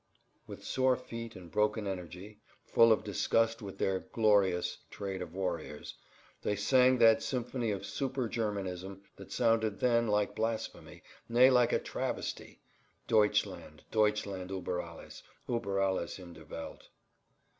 With sore feet and broken energy, full of disgust with their "glorious" trade of warriors, they sang that symphony of supergermanism that sounded then like blasphemy, nay, like a travesty—"Deutschland, Deutschland über alles, über alles in der Welt."